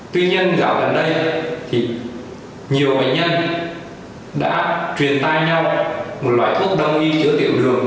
tuy nhiên dạo gần đây thì nhiều bệnh nhân đã truyền tai nhau một loại thuốc đông y chứa tiểu đường